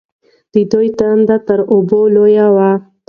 د دوی تنده تر اوبو لویه وه.